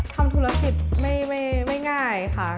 ทำธุรกิจไม่ง่ายค่ะ